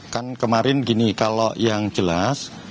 kan kemarin gini kalau yang jelas